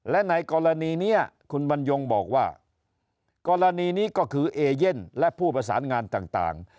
และในกรณีนี้คุณบรรยงบอกว่ากรณีนี้ก็คือเอเย่นและผู้ประสานงานต่าง